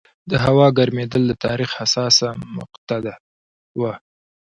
د هوا ګرمېدل د تاریخ حساسه مقطعه وه.